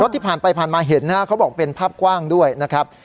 ที่ผ่านไปผ่านมาเห็นนะครับเขาบอกเป็นภาพกว้างด้วยนะครับ